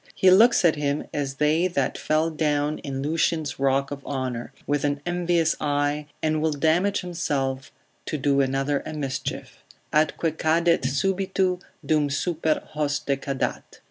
He looks at him as they that fell down in Lucian's rock of honour, with an envious eye, and will damage himself, to do another a mischief: Atque cadet subito, dum super hoste cadat.